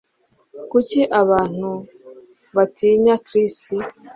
Kuki abantu batinya Chris